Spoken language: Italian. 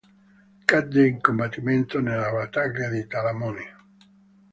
Cadde in combattimento nella battaglia di Talamone.